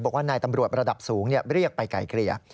บอกว่านายตำรวจระดับสูงเรียกไปไกลเกลี่ย